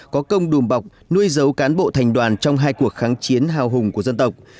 có công đùm bọc nuôi dấu cán bộ thành đoàn trong hai cuộc kháng chiến hào hùng của dân tộc